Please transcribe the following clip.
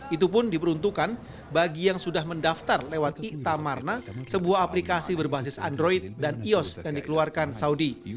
itu pun diperuntukkan bagi yang sudah mendaftar lewat iktamarna sebuah aplikasi berbasis android dan ios yang dikeluarkan saudi